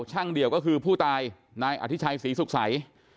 เดี่ยวก็คือผู้ตายนายอธิชัยศรีสุขใส